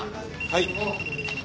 はい。